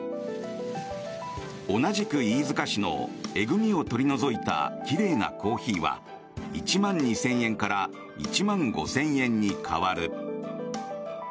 同じく飯塚市のえぐ味を取り除いたきれいなコーヒーは１万２０００円から１万５０００円に変わる。